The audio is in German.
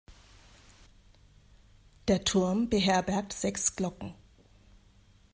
Der Turm beherbergt sechs Glocken.